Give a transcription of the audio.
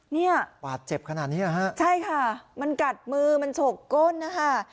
เนี่ยบาดเจ็บขนาดนี้นะฮะใช่ค่ะมันกัดมือมันฉกก้นนะคะ